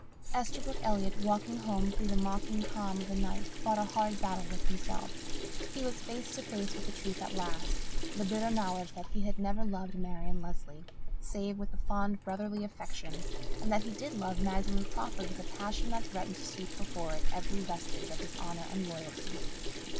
Esterbrook Elliott, walking home through the mocking calm of the night, fought a hard battle with himself. He was face to face with the truth at last the bitter knowledge that he had never loved Marian Lesley, save with a fond, brotherly affection, and that he did love Magdalen Crawford with a passion that threatened to sweep before it every vestige of his honour and loyalty.